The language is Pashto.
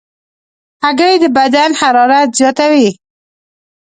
هګۍ د بدن حرارت زیاتوي.